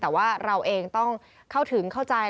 แต่ว่าเราเองต้องเข้าถึงเข้าใจ